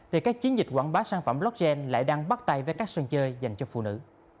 thì các chiến dịch quảng bá sản phẩm blockchain lại đang bắt tay với các sân chơi dành cho phụ nữ